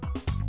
không cần phải